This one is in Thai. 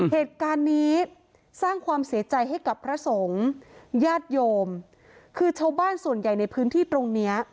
เหตุการณ์นี้สร้างความเสียใจให้กับพระสงฆ์ญาติโยมคือชาวบ้านส่วนใหญ่ในพื้นที่ตรงเนี้ย